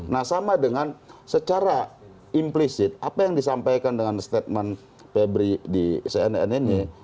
nah sama dengan secara implisit apa yang disampaikan dengan statement febri di cnn ini